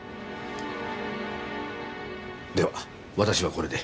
では私はこれで。